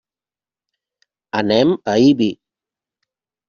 Anem a Ibi.